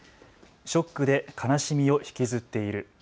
ショックで悲しみを引きずっている。